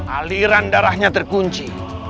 aliran darahnya terkunci